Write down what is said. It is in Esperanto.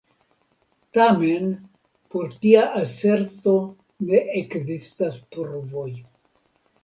Tamen por tia aserto ne ekzistas pruvoj.